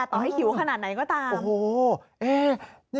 ต่อให้หิวขนาดไหนก็ตาม